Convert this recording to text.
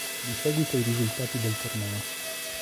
Di seguito i risultati del torneo.